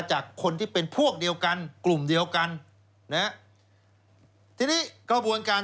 จากคนที่เป็นพวกเดียวกันกลุ่มเดียวกันนะฮะทีนี้กระบวนการ